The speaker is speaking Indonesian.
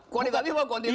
kuantitatif apa kuantitatif